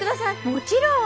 もちろん。